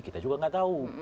kita juga nggak tahu